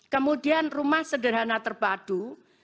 kemudian rumah sederhana terpadu